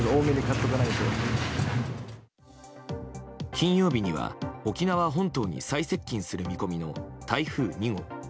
金曜日には、沖縄本島に最接近する見込みの台風２号。